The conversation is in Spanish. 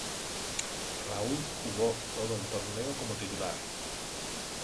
Raúl jugó todo el torneo como titular.